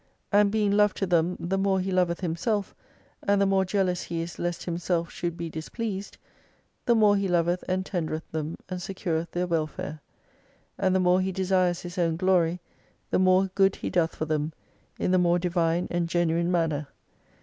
And being Love to them the more He loveth Himself, and the more jealous He is lest Himself should be displeased, the more He loveth and tendereth them and secureth their welfare. And the more He desires His own glory, the more good He doth for them, in the more divine and genuine manner.